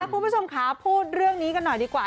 คุณผู้ชมค่ะพูดเรื่องนี้กันหน่อยดีกว่า